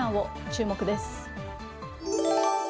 注目です。